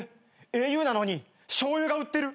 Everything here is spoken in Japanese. ａｕなのにしょうゆが売ってる。